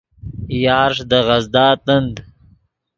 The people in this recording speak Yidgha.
یارݰ دے غزدا تند